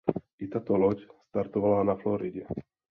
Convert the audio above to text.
I tato loď startovala na Floridě.